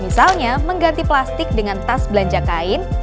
misalnya mengganti plastik dengan tas belanja kain